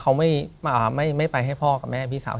เขาไม่ไปให้พ่อกับแม่พี่สาว